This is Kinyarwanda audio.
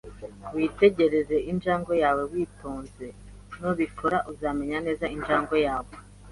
Witegereze injangwe yawe witonze. Nubikora, uzamenya neza injangwe yawe